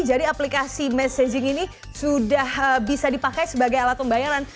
jadi aplikasi messaging ini sudah bisa dipakai sebagai alat pembayaran